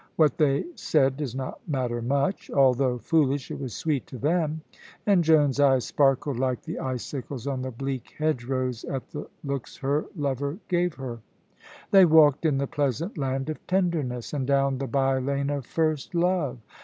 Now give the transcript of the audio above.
What they said does not matter much. Although foolish, it was sweet to them, and Joan's eyes sparkled like the icicles on the bleak hedge rows at the looks her lover gave her. They walked in the pleasant Land of Tenderness, and down the by lane of First Love.